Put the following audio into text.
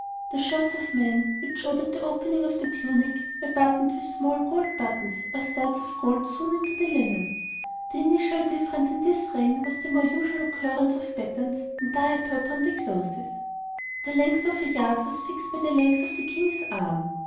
The shirts of the men, which showed at the opening of the tunic, were buttoned with small gold buttons or studs of gold sewn into the linen. The initial difference in this reign was the more usual occurrence of patterns in diaper upon the clothes. The length of a yard was fixed by the length of the King's arm.